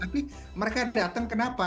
tapi mereka datang kenapa